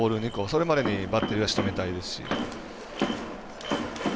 それまでにバッテリーはしとめたいですし。